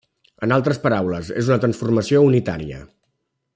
En altres paraules, és una transformació unitària.